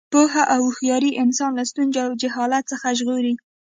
پوهه او هوښیاري انسان له ستونزو او جهالت څخه ژغوري.